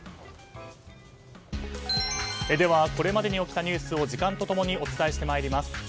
これまでに起きたニュースを時間と共にお伝えしてまいります。